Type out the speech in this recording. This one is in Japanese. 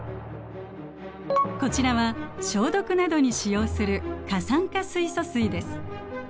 こちらは消毒などに使用する過酸化水素水です。